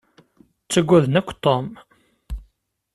Ttaggaden akk Tom.